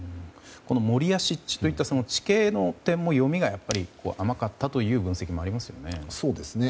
森や湿地といった地形の点も、読みが甘かったという分析もありますもんね。